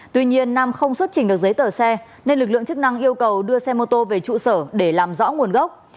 tuy nhiên nam không xuất trình được giấy tờ xe nên lực lượng chức năng yêu cầu đưa xe mô tô về trụ sở để làm rõ nguồn gốc